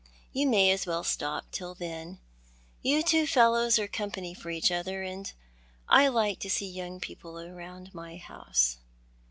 You may as well stop till then. You two fellows are company for each other ; and I like to see young people about my house."